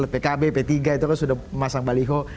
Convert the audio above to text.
pkb p tiga itu kan sudah memasang baliho